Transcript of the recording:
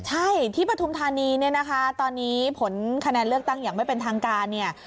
ใช่ที่ปฐุมธานีเนี่ยนะคะตอนนี้ผลคะแนนเลือกตั้งอย่างไม่เป็นทางการเนี่ย